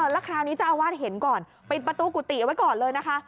แล้วคราวนี้เจ้าอาวาสเห็นก่อนปิดประตูกุฏิเอาไว้ก่อนเลยนะคะ